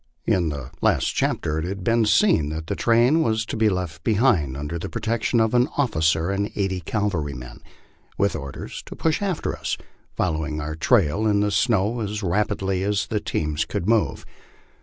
In the last chapter it has been seen that the train was to be left be hind under the protection of an officer and eighty cavalrymen, with orders to pusli after us, following our trail in the snow as rapidly as the teams could move.